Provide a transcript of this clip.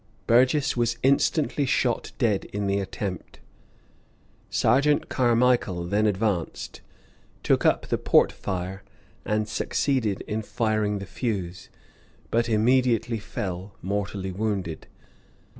Burgess was instantly shot dead in the attempt. Sergeant Carmichael then advanced, took up the port fire, and succeeded in firing the fuse, but immediately fell, mortally wounded.